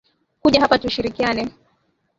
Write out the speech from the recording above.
Kuja hapa tushirikiane